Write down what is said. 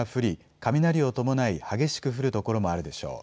雷を伴い激しく降る所もあるでしょう。